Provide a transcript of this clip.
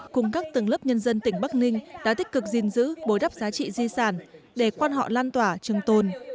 cùng các tầng lớp nhân dân tỉnh bắc ninh đã tích cực gìn giữ bối đắp giá trị di sản để quan họ lan tỏa trừng tồn